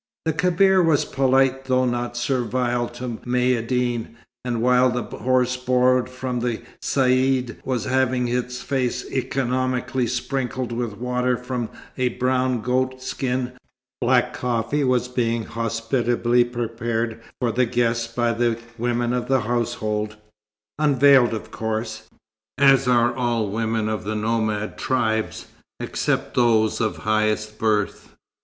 The Kebir was polite though not servile to Maïeddine, and while the horse borrowed from the Caïd was having its face economically sprinkled with water from a brown goat skin, black coffee was being hospitably prepared for the guest by the women of the household, unveiled of course, as are all women of the nomad tribes, except those of highest birth.